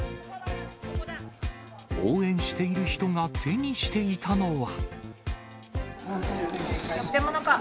応援している人が手にしていたのは。